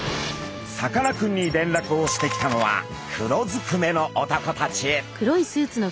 さかなクンにれんらくをしてきたのは黒ずくめの男たち。